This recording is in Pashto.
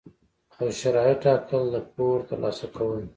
او شرایط ټاکل، د پور ترلاسه کول،